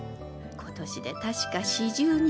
今年で確か４２。